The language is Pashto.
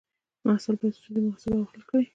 محصل باید ستونزې محاسبه او حل کړي.